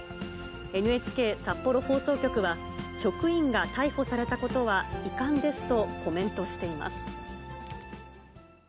ＮＨＫ札幌放送局は、職員が逮捕されたことは遺憾ですと、コメントしています。